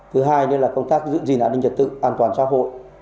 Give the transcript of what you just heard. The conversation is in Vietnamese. thứ hai là công tác giữ gìn ảnh định trật tự an toàn xã hội